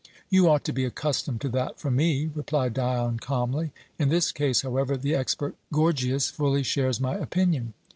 "You ought to be accustomed to that from me," replied Dion calmly. "In this case, however, the expert, Gorgias, fully shares my opinion."